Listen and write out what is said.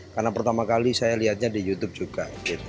karena pertama kali saya lihatnya di youtube juga